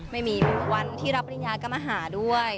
ไม่มีวันที่รับปริญญาก็มาหาด้วย